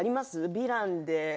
ヴィランで。